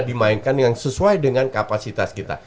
dimainkan yang sesuai dengan kapasitas kita